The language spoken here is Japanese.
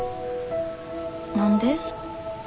何で？